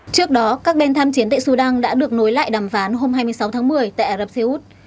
trước đó các bên tham chiến tại sudan đã được nối lại đàm phán hôm hai mươi sáu tháng một mươi tại ả rập xê út